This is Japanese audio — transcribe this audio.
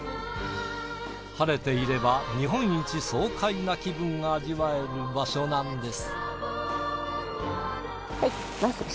晴れていれば日本一爽快な気分が味わえる場所なんです。